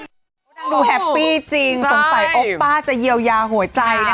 ดังนั้นดูแฮปปี้จริงตรงใส่โอปป้าจะเยียวยาหัวใจ